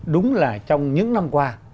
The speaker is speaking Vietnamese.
đúng là trong những năm qua